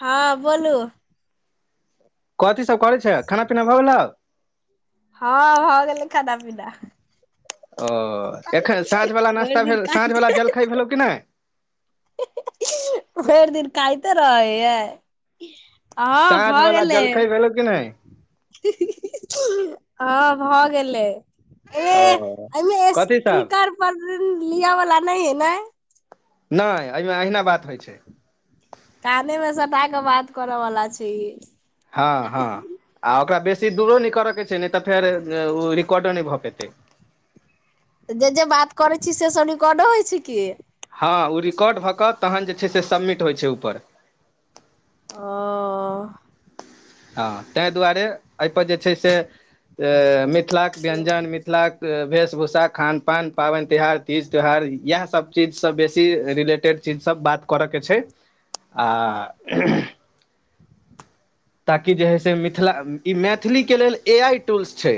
हँ बोलू कथी सब करै छै खाना पीना भऽ गेलौव हँ भऽ गेले खाना पीना ओ एखन साँझ वाला भरि नाश्ता दिन भेल साँझ काइट वाला जलखाय भेलो कि नय भइर दिन खाइते रहैयै हँ साँझ भऽ वला गेलेय जलखै भेलौ कि नय ही ही हँ भऽ गेलै ओ कथि साब [unintelligible] दिन लियावला नय हे न नय एहिमे अहिना बात होइ छै काने मे सटा क बात करऽवला छै ई हँ हँ आ ओकरा बेसी दूरो नहि करऽके छै नहि तऽ फेर ओ रिकॉर्डो नहि भऽ पेतै। जे जे बात करै छी सेसभ रिकॉर्डो होइ छै की हँ ओ रिकॉर्ड भऽ कऽ तहन जे छै से सबमिट होइ छै ऊपर। अ अ हँ तैय। दुआरे एहिपर जे छै से। त मिथिलाक व्यञ्जन मिथिलाक वेशभूषा खान पान पाबनि तिहार। तीज त्यौहार इएह सब चीज सब बेसी रिलेटेड चीज सब बात करय के छै। आ। [unintelligible] ताकि जे है से मिथिला ई मैथिली के लेल ए आई टोल्स छै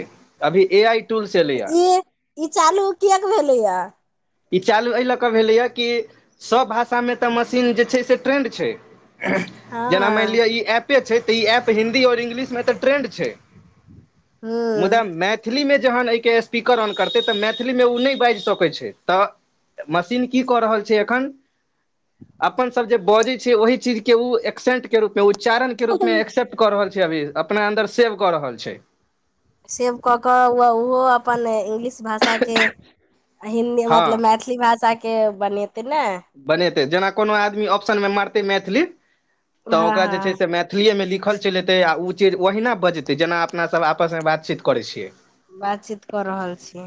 अभी ए आइ। टूल्स एलैए ई ई चालू किएक भेलै या ई चालू एहि लऽ कऽ भेलैए कि सभ भाषामे तऽ मशीन जे छै से ट्रेन्ड छै। जेना मानि हँ लिअ ई एप छै तऽ ई एऐप हिन्दी आओर इंग्लिशमे तऽ ट्रेंड छै मुदा मै हूँ मैथिलीमे जहन एहिके स्पीकर ऑन करतै तऽ मैथिलीमे उ नै बाजि सकै छै। तऽ मशीन की कऽ रहल छै एखन। अपन सब जे बजे छै ओही चीज के ओ एक्सेंट के रूप मे उच्चारण। के रूप मे एक्सेप्ट क रहल छ छै अभी अपना अन्दर सेव कऽ रहल छै। सेव कऽ कऽ उहो ओहो अपन इंगलिश भाषाके हिन्दी हँ मतलब मैथिली। थि भाषा के बनेतै नै। बनेतै जेना कोनो आदमी ऑप्शन मे मारतै मैथिली तऽ हँ ओकरा जे छै हँ से मैथ मैथिलीएमे लिखल चलि एतै आ उ चीज ओहिना बजतै जेना अपनासभ आपसमे बातचीत करै छियै। बातचीत कऽ रहल छी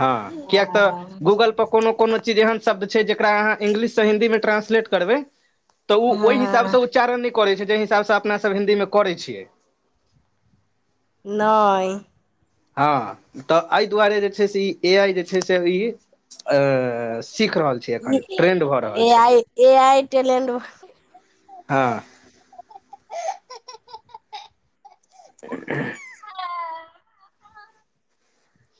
हँ किएक तऽ गूगल प कोनो कोनो चीज एहन शब्द छै जेकरा अहाँ इंग्लिशसँ हिंन्दीमे ट्रांसलेट करबै। तऽ ओ ओहि हँ हँ हिसाबसँ उच्चारण नहि करैत छै जाहि हिसाबसँ अपनासभ हिंन्दी मे करै छियै। नय हँ तऽ एहि दुआरे जे छै से ई ए आइ जे छै से ई अ ऐ सीख रहल छै एखन ट्रेंड भऽ रहल ए छै। आइ ए इ टेलेनड हँ [unintelligible] हँ [unintelligible]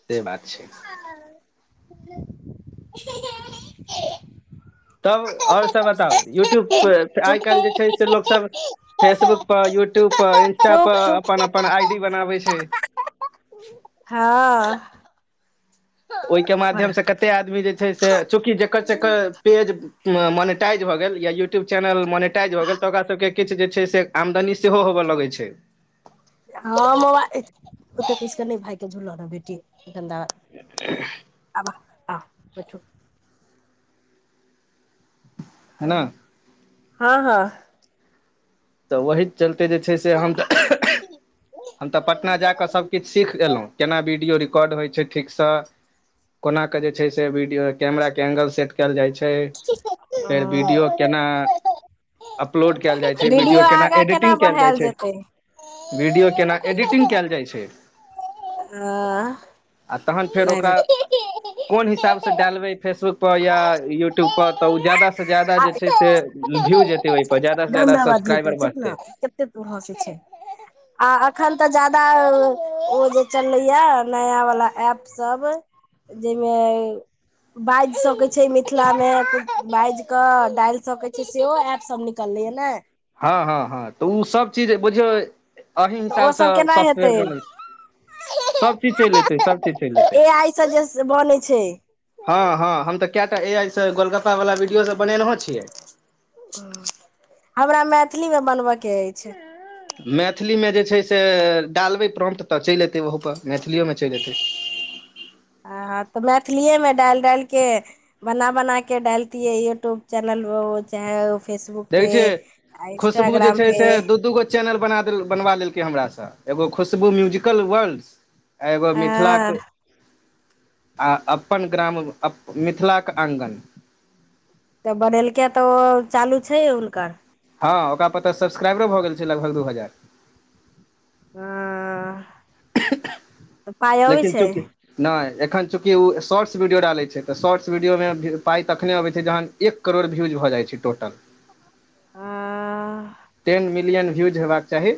से बात छै [unintelligible] तब आओर सब बताउ यूट्यूब पर आइ चुप काल्हि जे छै। लोग सब फेसबुक पर यूट्यूब पर इंस्टा चुप पर चुप अपन अपन आई डी बनावे छै। हँ। ओहिके माध्यम से कते आदमी जे छै से चूँकि जेकर जेकर पेज। मअ मोनेटाइज भऽ गेल या यूट्यूब चैनल मोनिटाइज भऽ गेल तऽ ओकरा सब के किछ जे छै से आमदनी सेहो होबऽ लगै छै ह माबा ओतऽ किछ के नहि भाय के झूलल रह बेटीा [inaudible] [unintelligible] हँ है। है न हँ हँ। तऽ ओहिी चलते जे छै से हम तऽ। हम तऽ पटना जाक सब किछ सीख एलो केना वीडियो रिकॉर्ड होय छै ठीकसँ कोनाकऽ जे छै से वीडियो कैमराके एगल सेट कयल जाइ छै फेर वीडियो केना अपलोड कायल जाइ छै जे वीडियो केना आगाँ एडिटिंग कायल जाइ बढ़ायल छै जेतै वीडियो केना एडिटिंग कयल जाइ छै अ आ तहन फेर नहि ओकरा कोन हिसाब भेट डालबै फेसबुक पर या यूट्यूब तऽ ओ जादा से जादा आ जे छै से भ्यूज जेतै ओहिप जदा से जादा चुपना कते तू हसे छै [inaudible] आ अखन तऽ जादा ओ जे चललेया नाया वला ऐप सब जाहिमे बाइज सकै छैय मिथिला मे बाज के डाइल सकैत छैय सेहो एऐप सब निकललै या ने हाँ हाँ हाँ तऽ ओ सब चीज बुझियौ अह तऽ ओ हिसाबसँ सब केना सॉफ्टवेयर हेतै बनल छैय सभ चीज चेल अयतै सभ चीज चेल अयतै ए आइ से जे बनै छै हाँ हाँ हम तऽ केटा ए आइ से गोलगप्पा वला वीडियो सब बनेनेयो छियै [inaudible] हमरा मैथिलीमे बनबयक ऐछ मैथिलीमे जे छैय से डालबै प्रम्प तऽ चइल अयतै ओहपर मैथली ओहोमे चइल अयतै हाँ तऽ मैथिलिएमे डाल डाल कऽ बना बना के डालती है यूट्यूब चैनल चाहे फेसबुक देखै पे छियै खुशबू जे इन्स्टाग्राम छै पे से दू दू गो चैनल बनवा लेलेलकै हमरा सँ एगो खुशबू म्यूजिकल वर्ल्ड आ एगो मिथिलाके हँ [inaudible] आ अपन ग्राम मिथिलाके आङ्गन तऽ बनेलक तऽ ओ चालू छैय हुनकर हाँ ओकरा पर तऽ सब्सक्राइबरो भऽ गेल छैय लगभग दू हजार हँ तऽ पाइ अबै लेकिन छै चूकि नय एखन चूँकि ओ शॉर्ट्स वीडियो डालै छैय तऽ शॉर्ट्स वीडियोमे भ पाइ तखने अबैत छैय जहन एक करोड़ भीयूज भऽ जाइ छैय टोटल हँ टेन मिलियन व्यूज होेबाक चाही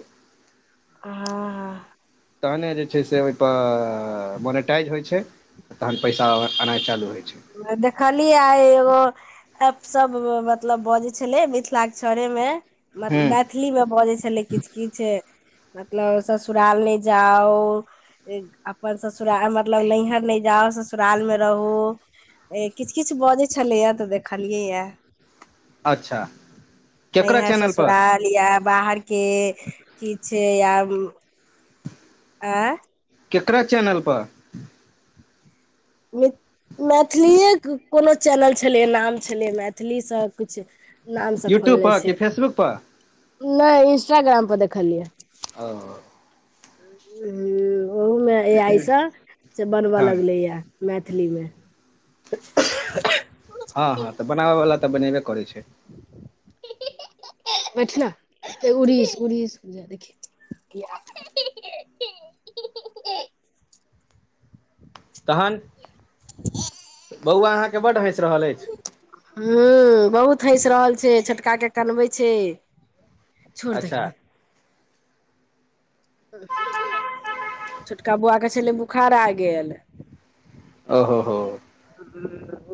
हाँ हाँ तहने जे छैय से ओहिपर मोनिटाइज होइ छैय तहन पैसा एनाइ चालू होइ छैय देखली आय एगो अपसब मतलब बजै छलै मिथिलाक के छड़े मे हूँ मैथिली मे बजै छलै किछ किछ मतलब ससुराल ने जाउ अपन ससुराल मतलब नैहर नय जाउ ससुराल में रहू ए किछ किछ बजै छलैया तऽ देखलियै यए अच्छा केकरा नैहर चैनल पर ससुराल या बाहर के किछ या आँ केकरा चैनल पर मि मैथिलीए के कोनो चैनल छलै नाम छलै मैथिलीसँ किछु नाम से यूट्यूब खोलनेे पर कि छै फेसबुक पर नय इंस्टाग्राम पर देखलियै ओ [inaudible] ओहो मे ए आई से बनबय हँ लगलैए मैथिलीमे हँ हँ तऽ बनाबयवला तऽ बनेबे करै छै बैठना त उड़ीस-उड़ीस जा देखखि [inaudible] तहन हँ हँ बौआ अहाँके बड हैंस रहल अछि हू बहुत हेस रहल छै छोटका के कनबै छै छोड़ दही अच्छा ने छोटका बौआ के छलै बोखार आ गेल ओ हो हो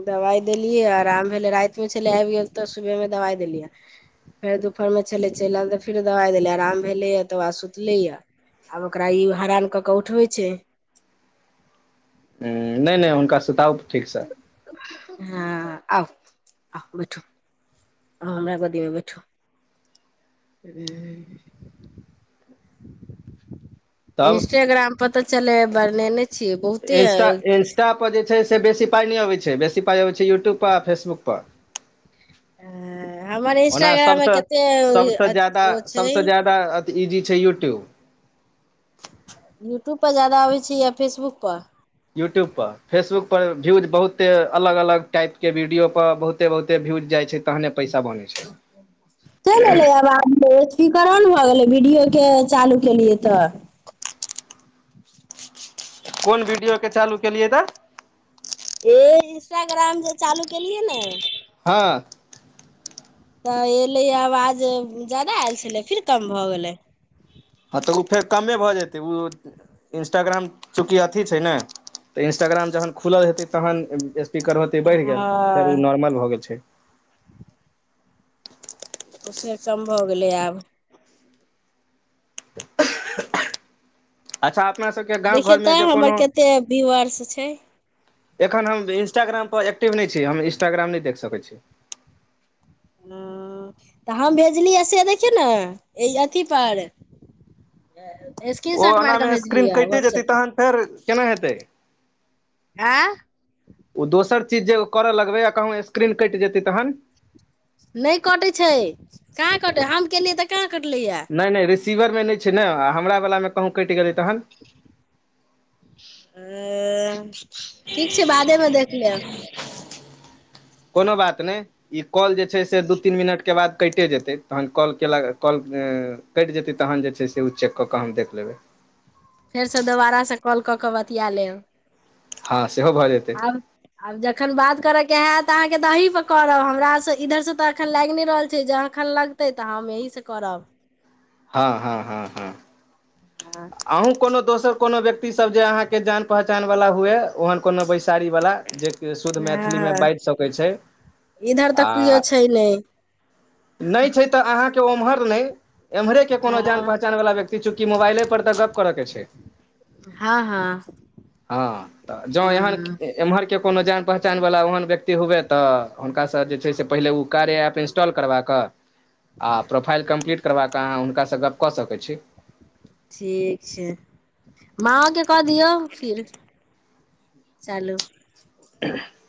दवाइ देलियै आराम भेलै रातिमे छले आबि गेल तऽ सुबहमे दवाइ देलियै फेर दुपहर मे छले चलि आयल तऽ फेर दवाइ देले आराम भेले या तऽ सुतले या आब ओकरा ई हरान कऽ उठबै छै नहि नहि हुनका सुताउ ठीक से हँ आउ आ बेठो हँ हमरा गोदी मे बैठु ह [inaudible] तब इंस्टग्राम पर चले बरने ने इंस्ट इंस्टा इंस्टा पर जे छै से बेसी पाइ नहि अबै छै बेसी पाइ अबै छै यूट्यूबपर आ फेसबुकपर हमर ओना इंस्टाग्राम मे सबसे कते सबसे जादा ओ छै सबसे जादा तऽ इजी छै यूट्यूब यूट्यूबपर जादा अबै छै या फेसबुकपर यूट्यूब पर फेसबुक पर व्यूज बहुते अलग अलग टाइप के वीडियो पर बहुते बहुते बहुते भ्युज जाइ छै तहने पैसा बनै छै चलि एलै आब आब त स्पीकर ने भऽ गेलै वीडियओ के चालू केलियै तऽ कोन वीडियोके चालू केलियै तऽ हे इंस्टाग्राम जे चालू केलियै ने हँ तऽ एयलै या आवाज जादा आयल छलै फिर कम भऽ गेलै हँ तऽ ओ फेर कमे भऽ जेतै उ इंस्टाग्राम चूकि अथी छै ने तऽ इंस्टाग्राम जहन खुलल हेतै तहन स्पीकर होते बढ़ि गेल फेर हँ ओ नॉर्मल भऽ गेल छै ओ फेर कम भऽ गेलै आब अच्छा अपना सबके गाँव देखियौ घरमे तऽ जे हमर कोनो कते व्यूअर्स छै एखन हम इंस्टाग्राम पर एक्टिव नहि छी हम इंस्टाग्राम नहि देख सकै छी हँ तऽ हम भेजलियै से देखियौ ने एहि अथी पर स्क्रीन ओ शॉट मार कऽ ओनामे स्क्रीन भेजलियै कटि जेतै व्हाट्सएप पर तखन फेर केना हेतै आँ ओ दोसर चीज जे करऽ लगबै आ कहुँ स्क्रीन कटि जेतै तहन नहि कटैत छै कहाँ कटै हम केलियै तऽ कहाँ कटलैया नहि नहि रिसीभरमे नहि छै ने हमरा बलामे कहुँ कटि गेलै तहन अ ठीक छै बादे मे देख लेब कोनो बात नहि ई कॉल जे छै से दू तीन मिनटके बाद कटि जेतै तहन कॉल केलक कॉल कटि जेतै तहन उ जे छै से उ चेक कऽ हम देख लेबै फेरसँ दोबारासँ कॉल कऽ बतिया लेब हँ सेहो भऽ जेतै आब आब जखन बात करैय के हाएत त आहाँ के त आहि प करब हमरा सँ इधर सँ त अखन लाइग नै रहल छै एखन लगतै तऽ हम एहि सँ करब। हँ हँ हँ हँ अहूँ कोनो दोसर कोनो व्यक्तिसब जे अहाँके जान पहचानवाला हुए ओहन कोनो बैसारीवाला जे जे शुद्ध मैथिलीमे बाजि सकै छै इधर तऽ किओ आ छै नहि नै छै तऽ अहाँके उम्हर नै एम्हरे के कोनो जान हँ पहचान वाला व्यक्ति की चुकी मोबाइले प तऽ गप करऽ के छै हँ हँ हँ तऽ जह हँ [unintelligible] एम्हर के कोनो जान पहचान वला ओहन व्यक्ति हुवए तऽ हुनका सब जे छै से पहिले ओ कार्य एऐप इन्स। ट्रल करवा क आ प्रोफ़ाइल कंपलीट करबा क अहा उनका स गप क सके छी। ठीक छै माँओे के कऽ दियौ फिर। चालू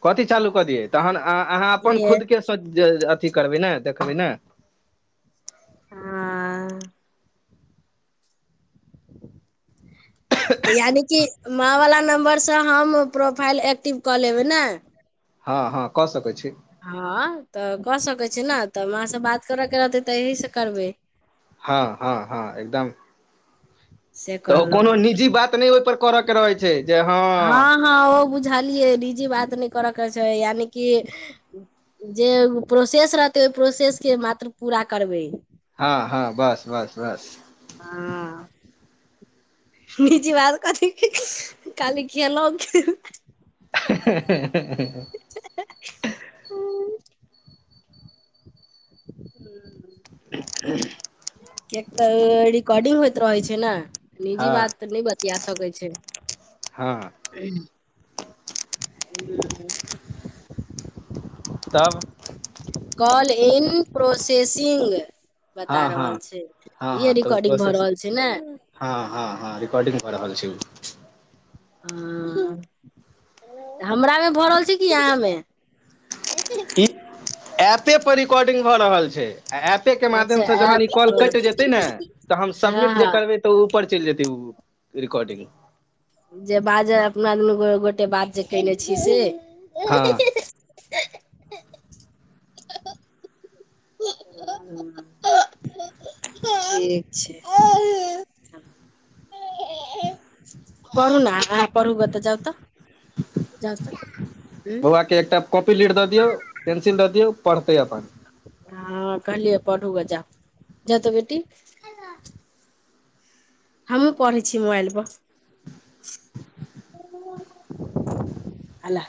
कथी चालू कऽ दियै तहन अहा अहाँ अपन इहे खुद के। [unintelligible] अथी करबैई ने देखबैइ नै। आ ए तऽ यानि कि माँ वला नम्बर सँ हम प्रोफाइल एक्टिव कऽ लैबेई ने। हँ हँ कऽ सकैत छी हँ तऽ कऽ सकैत छी ने तऽ माँ सँ बात करय के रहतै तऽ एहि सँ करबैइ हँ- हँ- हँ एकदम से तऽ कोनो कहलहुँ निजी बात नहि ओहिपर करय के रहैत छै जे हँ हँ ओ बुझलियै निजी बात नहि करऽ के छै यानि कि। जे प्रोसेस रहतै ओहि प्रोसेस के मात्र पूरा करबै। हँ - हँ - बस - बस - बस। हँ अ अ निजी बात करथ काली खेलउ कि हा हा हा [unintelligible] हूं [unintelligible] हू [unintelligible] ह कियाक त रिकोर्डिन होइत रहैए छै नै निजी हँ बात तऽ न बतिया सकै छै हँ हम्म [inaudible] ह [inaudible] तब कॉल इन प्रोसेसिंग। बता हँ हँ रहल छै हँ इहे हँ तऽ ओ रिकॉर्डिंग भऽ प्रोसेस रहल छै ने। हँ - हँ - हँ रिकॉर्डिंग भऽ रहल छै ओ। आ [unintelligible] हमरा मे भए रहल छै कि आहाँ मे। इ एपे पर रिकोडिन भ रहल छैए ए एप। त के माध्यम स अच्छा जहन इ ऐप कॉल पर कइट जैते ने त हम हँ सममीट जे हँ करबैइ। तऽ ऊपर चलि जेतेए उ रिकॉर्डिंग जे बाजव अपना दुनू गोटे बात जे केने छीय से हँ। [unintelligible] ठिक छै पढू न आहाँ पढू ग जाऊ त। बौआ के एकटा कॉपी लिड दए दियौ पेंसिल दए दियौ पढ़तै अपन। हँ कहलियै पढू ग जाऊ जा त बेटी [unintelligible] हमु पढ़ै छीय मोबाईल पर हले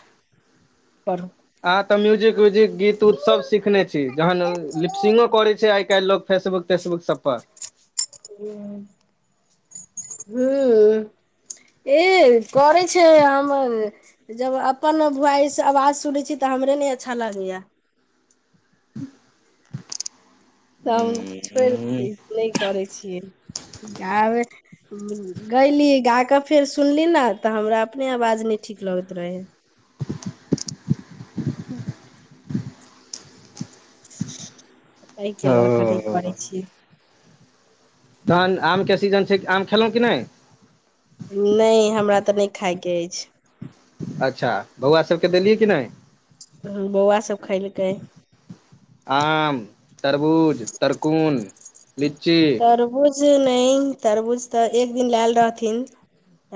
पढ़ू ह त म्यूजिक व्यूजिक गीत उत सब सिखने छी जहन लिपसिंगो करे छै आइ काल्हि लोग फेसबुक तेसबुक सब पर ह हुम्म ए करे छैय हमर जब अपन भुवाईस आवाज सुनै छीय तऽ हमरे नय अच्छा लगैया [inaudible] त हम छोड़ि नय करै छियै गयली ग कऽ फेर सुनली ने तऽ हमरा अपने आवाज नय ठीक लगैत रहे [inaudible] [inaudible] ने केलक नय करै ओ छि तहन आम के सीजन छैय आम खेलहुँ कि नय नय हमरा तऽ नय खाायके अछि। अच्छा बौआ सबके देलियै कि नय बौआ सब खयलकै आम तरबूज तरकोन लीची तरबूज नय तरबूज त एक दिन लायल रहथिन